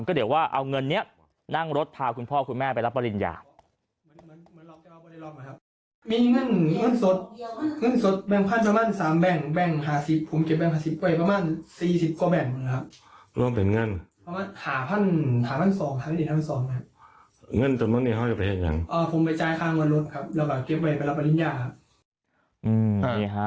ก็เดี๋ยวว่าเอาเงินนี้นั่งรถพาคุณพ่อคุณแม่ไปรับปริญญา